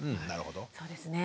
そうですね。